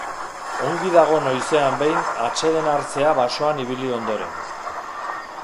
Ongi dago noizean behin atseden hartzea basoan ibili ondoren.